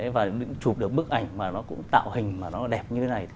và chụp được bức ảnh mà nó cũng tạo hình mà nó đẹp như thế này